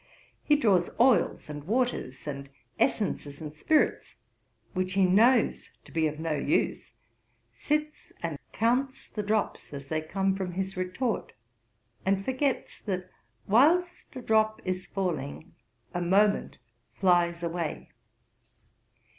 He draws oils and waters, and essences and spirits, which he knows to be of no use; sits and counts the drops as they come from his retort, and forgets that whilst a drop is falling a moment flies away.'